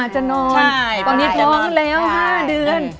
ตอนนี้ท้องแล้ว๕เดือน